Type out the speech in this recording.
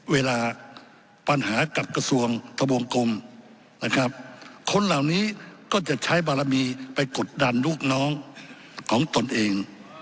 เวลาปัญหากับกระทรวงทะวงกลมนะครับคนเหล่านี้ก็จะใช้บารมีไปกดดันลูกน้องของตนเอง